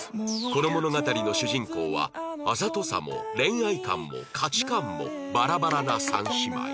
この物語の主人公はあざとさも恋愛観も価値観もバラバラな３姉妹